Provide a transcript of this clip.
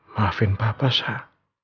maafin papa sak